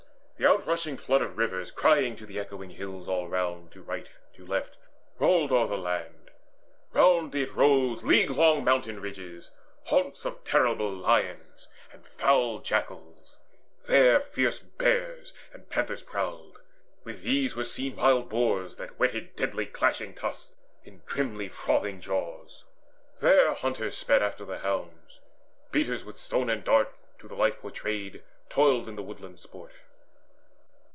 The outrushing flood Of rivers crying to the echoing hills All round, to right, to left, rolled o'er the land. Round it rose league long mountain ridges, haunts Of terrible lions and foul jackals: there Fierce bears and panthers prowled; with these were seen Wild boars that whetted deadly clashing tusks In grimly frothing jaws. There hunters sped After the hounds: beaters with stone and dart, To the life portrayed, toiled in the woodland sport.